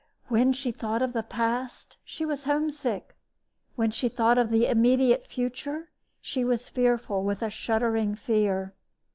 When she thought of the past she was homesick. When she thought of the immediate future she was fearful with a shuddering fear.